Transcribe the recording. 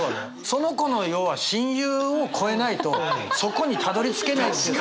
その子の要は親友を越えないとそこにたどりつけないっていうさ。